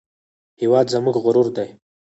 هېواد زموږ غرور دی